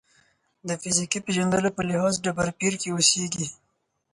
د فیزیکي پېژندلو په لحاظ ډبرپېر کې اوسېږي.